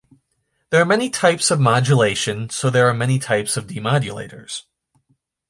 There are many types of modulation so there are many types of demodulators.